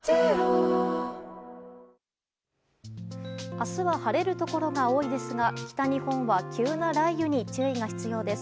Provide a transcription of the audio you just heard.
明日は晴れるところが多いですが北日本は急な雷雨に注意が必要です。